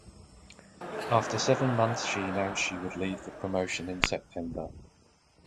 After seven months she announced she would leave the promotion in September.